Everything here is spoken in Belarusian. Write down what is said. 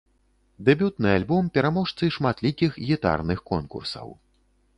Дэбютны альбом пераможцы шматлікіх гітарных конкурсаў.